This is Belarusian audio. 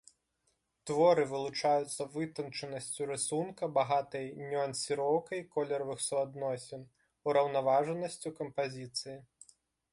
Творы вылучаюцца вытанчанасцю рысунка, багатай нюансіроўкай колеравых суадносін, ураўнаважанасцю кампазіцыі.